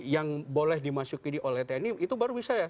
yang boleh dimasuki oleh tni itu baru bisa ya